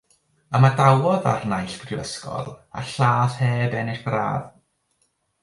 Ymadawodd a'r naill brifysgol a'r llall heb ennill gradd.